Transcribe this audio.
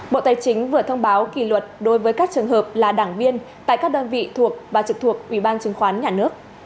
bộ tài chính vừa thông báo kỳ luật đối với các trường hợp là đảng viên tại các đơn vị thuộc và trực thuộc ubnd